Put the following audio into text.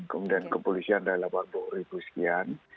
kemudian kepolisian ada delapan puluh ribu sekian